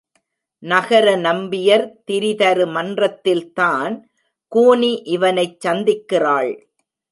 நகர நம்பியர் திரிதரு மன்றத்தில்தான் கூனி இவனைச் சந்திக்கிறாள்.